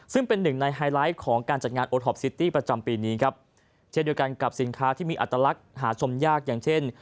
ซึ่งเป็นหนึ่งในไฮไลท์ของการจัดงานโอท็อปซิตี้ประจำปีนี้ครับเช่นเดียวกันกับสินค้าที่มีอัตลักษณ์หาชมยากอย่างเช่น